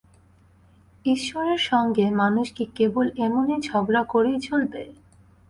ঈশ্বরের সঙ্গে মানুষ কি কেবল এমনি ঝগড়া করেই চলবে?